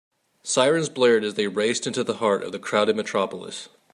Sirens blared as they raced into the heart of the crowded metropolis.